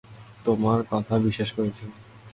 তোমার কথা বিশ্বাস করেছি।